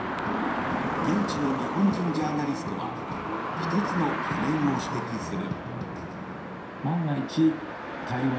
現地の日本人ジャーナリストは１つの懸念を指摘する。